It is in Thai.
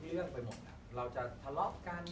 เรื่องไปหมดเราจะทะเลาะกัน